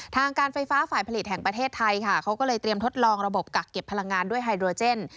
ทางการไฟฟ้าฝ่ายผลิตแห่งประเทศไทยค่ะเขาก็เลยเตรียมทดลองระบบกักเก็บพลังงานด้วยไฮโดรเจน